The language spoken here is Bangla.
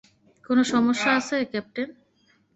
কোনো সমস্যা আছে, ক্যাপ্টেন?